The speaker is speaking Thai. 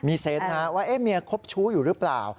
มีเซ็นส์นะว่าว่าเมียครบชู้อยู่รึเปล่า